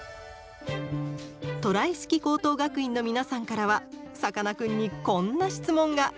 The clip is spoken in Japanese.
トライ式高等学院の皆さんからはさかなクンにこんな質問が。